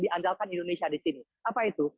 diandalkan indonesia di sini apa itu